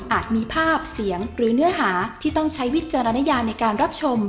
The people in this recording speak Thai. มีภาพเสียงหรือเนื้อหาที่ต้องใช้วิจารณญาในการรับชม